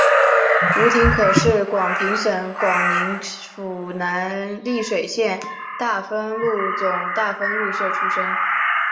吴廷可是广平省广宁府丽水县大丰禄总大丰禄社出生。